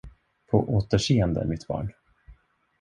På återseende, mitt barn.